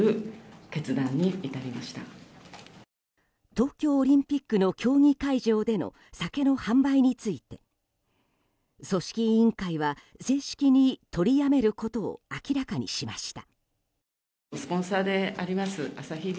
東京オリンピックの競技会場での酒の販売について組織委員会は、正式に取りやめることを明らかにしました。